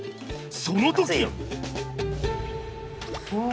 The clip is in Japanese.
その時！